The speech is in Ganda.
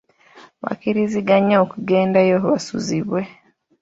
Bakkiriziganya okugendayo basuzibwe.